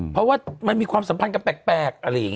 เพราะว่ามันมีความสัมพันธ์กับแปลก